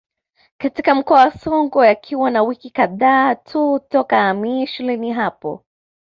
Katika mkoa wa Songwe akiwa na wiki kadhaa tu toka ahamie shuleni hapo